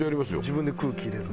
自分で空気入れる？